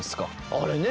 あれね。